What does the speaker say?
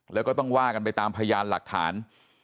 แล้วก็ต้องว่ากันไปตามพยานหลักฐาน